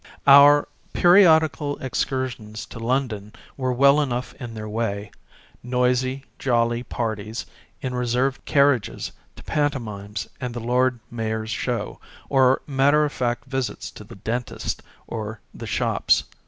Our periodical excursions to London were well enough in their way ; noisy, jolly parties in reserved carriages to pantomimes and the Lord Mayor's Show, or matter of fact visits to the dentist or the shops.